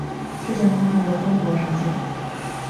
这项工程由中国承建。